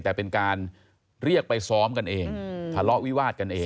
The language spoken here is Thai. แต่เป็นการเรียกไปซ้อมกันเองทะเลาะวิวาดกันเอง